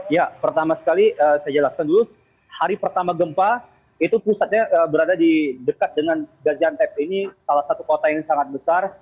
ya pertama sekali saya jelaskan dulu hari pertama gempa itu pusatnya berada di dekat dengan gaziantep ini salah satu kota yang sangat besar